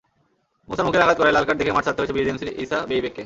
মুসার মুখে আঘাত করায় লালকার্ড দেখে মাঠ ছাড়তে হয়েছে বিজেএমসির ইসা বেইবেককে।